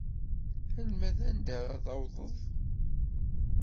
Alma d anda ara tawḍeḍ?